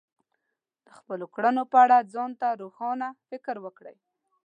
د خپلو کړنو په اړه ځان ته روښانه فکر وکړئ.